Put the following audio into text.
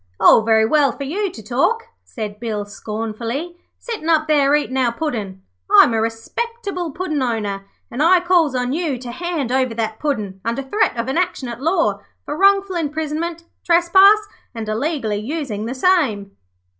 'All very well for you to talk,' said Bill, scornfully, 'sittin' up there eatin' our Puddin'. I'm a respectable Puddin' owner, an' I calls on you to hand over that Puddin' under threat of an action at law for wrongful imprisonment, trespass, and illegally using the same.'